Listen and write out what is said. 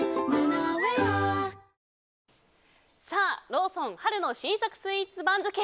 ローソン春の新作スイーツ番付。